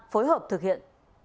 phối hợp thực hiện